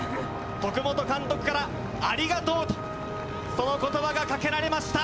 徳本監督から、ありがとうと、そのことばがかけられました。